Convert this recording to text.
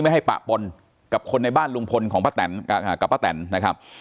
ไม่ให้ปะปนกับคนในบ้านลุงพลของป้าแตนนะครับ